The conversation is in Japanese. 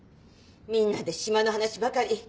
みんなで島の話ばかり。